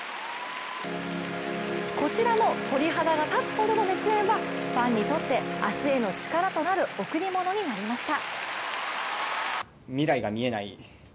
こちらも鳥肌が立つほどの熱演はファンにとって、明日へのチカラとなる贈り物となりました。